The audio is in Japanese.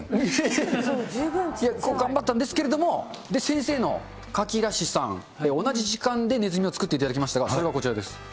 結構頑張ったんですけれども、先生のかきらしさん、同じ時間でネズミを作っていただきましたが、それがこちらです。